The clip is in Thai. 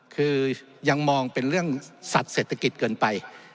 คือยังมองเป็นเรื่องสัตว์เศรษฐกิจเกินไป